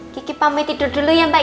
kiki pamit tidur dulu ya mbak